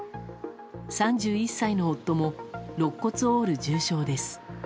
３１歳の夫もろっ骨を折る重傷です。